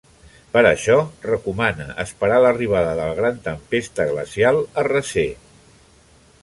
Per això, recomana esperar l'arribada de la gran tempesta glacial a recer.